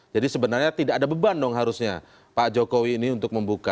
jadi sebenarnya tidak ada beban dong harusnya pak jokowi ini untuk membuka